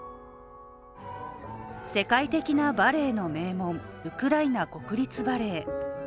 世界的なバレエの名門ウクライナ国立バレエ。